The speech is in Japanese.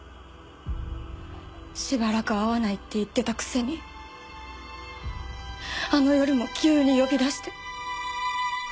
しばらく会わないって言ってたくせにあの夜も急に呼び出して。